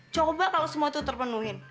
coba kalau semua itu terpenuhi